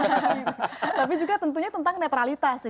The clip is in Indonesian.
tapi juga tentunya tentang netralitas ya